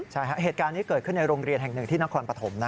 ใช่ฮะเหตุการณ์นี้เกิดขึ้นในโรงเรียนแห่งหนึ่งที่นครปฐมนะ